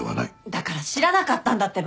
だから知らなかったんだってば。